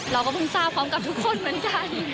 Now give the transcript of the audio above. เราก็เพิ่งทราบพร้อมกับทุกคนเหมือนกัน